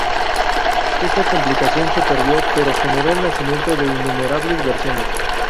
Esta compilación se perdió, pero generó el nacimiento de innumerables versiones.